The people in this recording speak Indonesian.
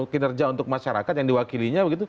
kinerja untuk masyarakat yang diwakilinya begitu